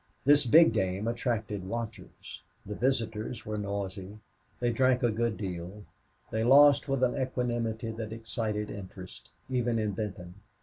This big game attracted watchers. The visitors were noisy; they drank a good deal; they lost with an equanimity that excited interest, even in Benton.